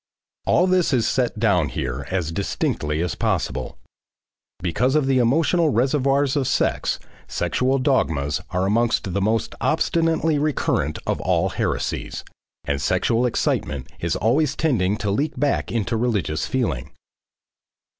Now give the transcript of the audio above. All this is set down here as distinctly as possible. Because of the emotional reservoirs of sex, sexual dogmas are among the most obstinately recurrent of all heresies, and sexual excitement is always tending to leak back into religious feeling.